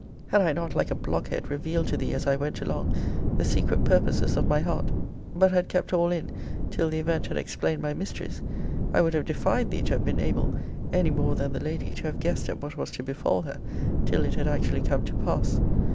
Had I not, like a blockhead, revealed to thee, as I went along, the secret purposes of my heart, but had kept all in till the event had explained my mysteries, I would have defied thee to have been able, any more than the lady, to have guessed at what was to befall her, till it had actually come to pass.